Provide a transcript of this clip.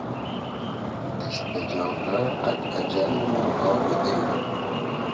دیست دۂ جاغۂ قئد اجئل مورغاگی دیل